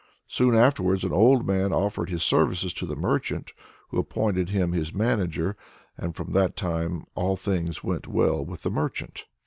Soon afterwards an old man offered his services to the merchant, who appointed him his manager; and from that time all things went well with the merchant.